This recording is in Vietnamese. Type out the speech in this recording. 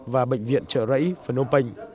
và bệnh viện trợ rẫy phần âu bênh